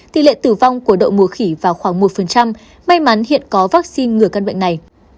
tỷ lệ tử vong của đậu mùa khỉ vào khoảng một may mắn hiện có vaccine ngừa căn bệnh này